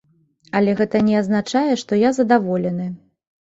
Але гэта не азначае, што я задаволены.